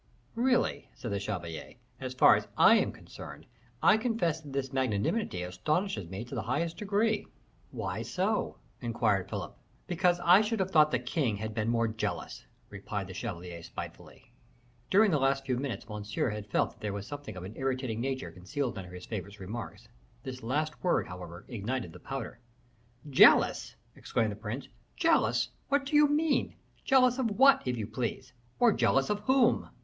"Really," said the chevalier, "as far as I am concerned, I confess that this magnanimity astonishes me to the highest degree." "Why so?" inquired Philip. "Because I should have thought the king had been more jealous," replied the chevalier, spitefully. During the last few minutes Monsieur had felt there was something of an irritating nature concealed under his favorite's remarks; this last word, however, ignited the powder. "Jealous!" exclaimed the prince. "Jealous! what do you mean? Jealous of what, if you please or jealous of whom?"